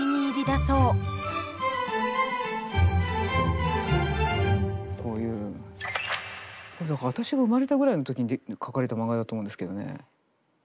だから私が生まれたぐらいの時に描かれた漫画だと思うんですけどね。